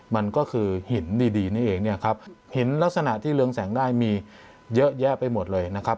มันก็คือหินดีนี่เองเนี่ยครับหินลักษณะที่เรืองแสงได้มีเยอะแยะไปหมดเลยนะครับ